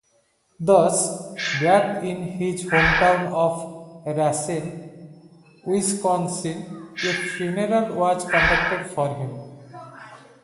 Thus back in his hometown of Racine, Wisconsin, a funeral was conducted for him.